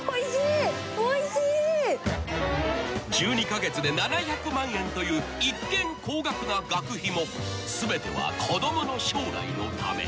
［１２カ月で７００万円という一見高額な学費も全ては子供の将来のため］